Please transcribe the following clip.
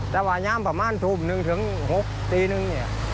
ถ้าวันย้ำประมาณถูก๑๖ตีหนึ่ง